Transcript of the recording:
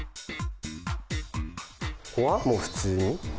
ここはもう普通に。